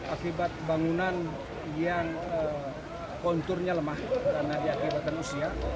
akibat bangunan yang konturnya lemah karena diakibatkan usia